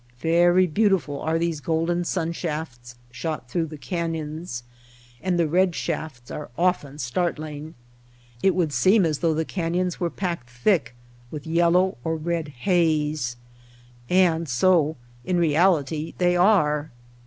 Very beautiful are these golden sunshafts shot through the canyons. And the red shafts are often startling. It would seem as though the canyons were packed thick with yellow or red haze. And so in real ity they are.